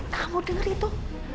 kamu denger itu